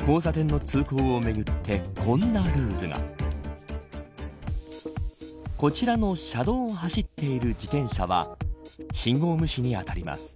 交差点の通行をめぐってこんなルールが。こちらの車道を走っている自転車は信号無視に当たります。